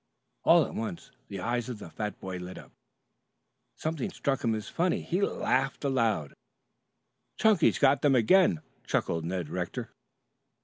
All at once the eyes of the fat boy lighted up. Something struck him as funny. He laughed aloud. "Chunky's got them again," chuckled Ned Rector.